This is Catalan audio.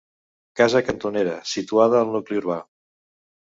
Casa cantonera, situada al nucli urbà.